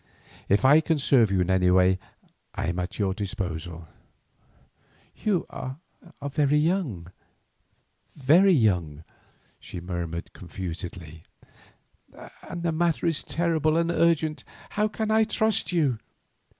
If I can serve you in any way I am at your disposal." "You are young—very young," she murmured confusedly, "and the matter is terrible and urgent. How can I trust you?"